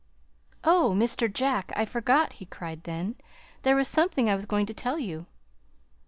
"Oh, Mr. Jack, I forgot," he cried then. "There was something I was going to tell you."